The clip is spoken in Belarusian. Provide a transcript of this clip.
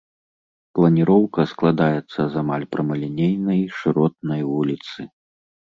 Планіроўка складаецца з амаль прамалінейнай шыротнай вуліцы.